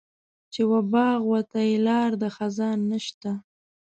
چې و باغ وته یې لار د خزان نشته.